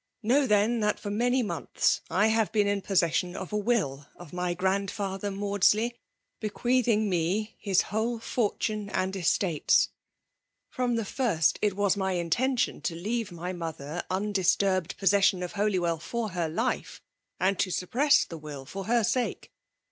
Know, then, that for many months I have been in. possession of a. will of my grandfather Maudsley, bequeathing me his whole fortune and estates. From th6 first, it was my intention to leave my mother undis FEMALE DOMINATIOK. 257 turbed possession of Holywell for her life, and to suppress the will for her sake.